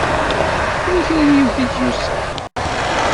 Tella kra n yiwet i d-yusan?